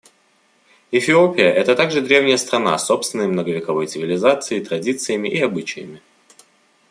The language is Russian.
Эфиопия — это также древняя страна с собственной многовековой цивилизацией, традициями и обычаями.